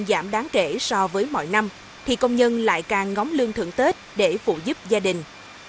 giảm đáng kể so với mọi năm thì công nhân lại càng ngóng lương thưởng tết để phụ giúp gia đình